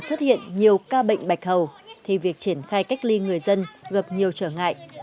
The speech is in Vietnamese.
xuất hiện nhiều ca bệnh bạch hầu thì việc triển khai cách ly người dân gặp nhiều trở ngại